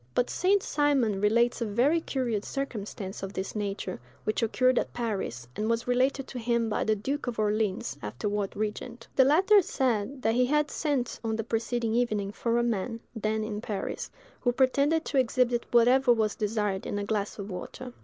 But St. Simon relates a very curious circumstance of this nature, which occurred at Paris, and was related to him by the duke of Orleans, afterward regent. The latter said that he had sent on the preceding evening for a man, then in Paris, who pretended to exhibit whatever was desired in a glass of water.